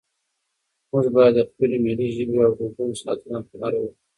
موږ باید د خپلې ملي ژبې او دودونو ساتنه په نره وکړو.